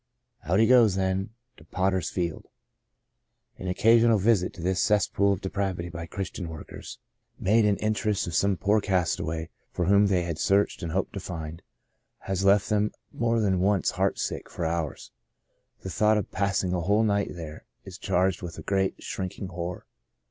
Out he goes then — to Potter's Field ! An occasional visit to this cesspool of de pravity by Christian workers, made in the interests of some poor castaway for whom they had searched and hoped to find, has left them more than once heart sick for hours. The thought of passing a whole night there is charged with a great, shrink ing horror.